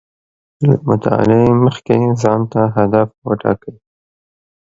له مطالعې مخکې ځان ته هدف و ټاکئ